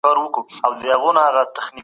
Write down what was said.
تاسي په رښتیا غښتلي یاست.